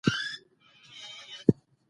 ښوونځی د ماشومانو لپاره د نظم ځای دی